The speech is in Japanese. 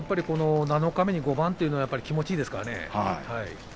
七日目に５番というのは気持ちがいいですね。